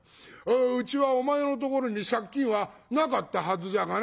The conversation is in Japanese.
うちはお前のところに借金はなかったはずじゃがな」。